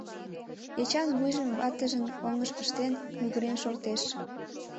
— Эчан вуйжым ватыжын оҥыш пыштен, мӱгырен шортеш...